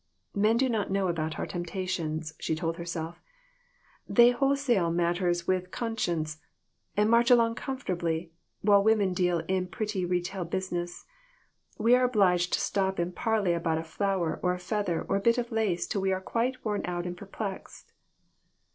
"Men do not know about our temptations," she told herself; "they wholesale matters with con science, and march along comfortably, while women deal in petty retail business. We are obliged to stop and parley about a flower or a feather or a bit of lace till we are quite worn out and per plexed."